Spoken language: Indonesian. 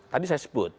tadi saya sebut